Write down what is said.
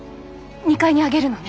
２階に上げるのね。